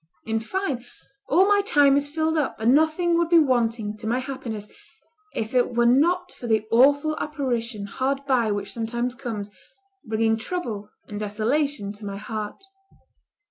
In fine, all my time is filled up, and nothing would be wanting to my happiness if it were not for the awful apparition hard by which sometimes comes, bringing trouble and desolation to my heart."